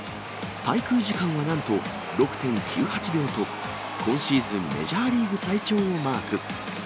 滞空時間はなんと、６．９８秒と、今シーズンメジャーリーグ最長をマーク。